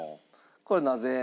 これなぜ？